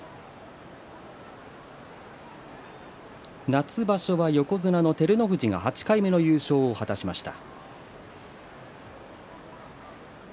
夏場所は横綱の照ノ富士が８回目の優勝を果たしました。